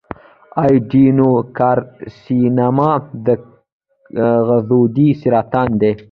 د ایڈینوکارسینوما د غدودي سرطان دی.